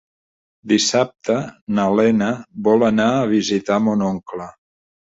Dissabte na Lena vol anar a visitar mon oncle.